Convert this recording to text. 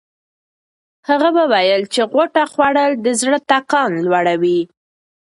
هغه وویل چې غوطه خوړل د زړه ټکان لوړوي.